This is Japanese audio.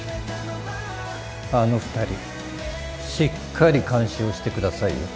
あの２人しっかり監視をしてくださいよ。